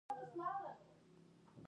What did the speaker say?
افغانستان یو اشغال شوی هیواد نه وو.